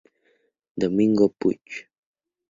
Domingo Puch.